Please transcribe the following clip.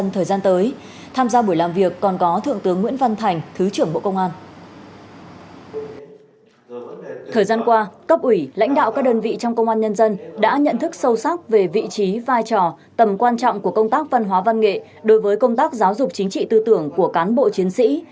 thời gian qua cấp ủy lãnh đạo các đơn vị trong công an nhân dân đã nhận thức sâu sắc về vị trí vai trò tầm quan trọng của công tác văn hóa văn nghệ đối với công tác giáo dục chính trị tư tưởng của cán bộ chiến sĩ